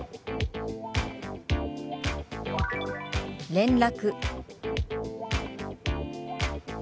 「連絡」。